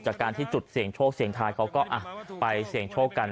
จากการที่จุดเสี่ยงโชคเสี่ยงทายเขาก็ไปเสี่ยงโชคกัน